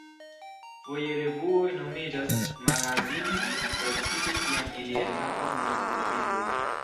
Foje revuoj nomiĝas "magazinoj", precipe kiam ili enhavas multe da bildoj.